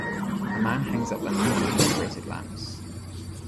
A man hangs up unusually decorated lamps.